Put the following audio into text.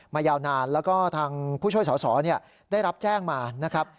ยาวนานแล้วก็ทางผู้ช่วยสอสอได้รับแจ้งมานะครับ